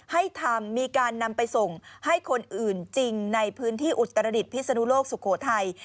ให้ทำมีการนำไปส่งให้คนอื่นจริงในพื้นที่อุตรดิษฐพิศนุโลกสุโขทัย